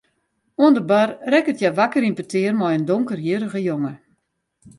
Oan de bar rekket hja wakker yn petear mei in donkerhierrige jonge.